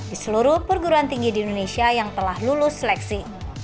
di seluruh perguruan tinggi di indonesia yang telah lulus seleksi